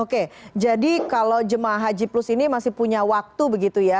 oke jadi kalau jemaah haji plus ini masih punya waktu begitu ya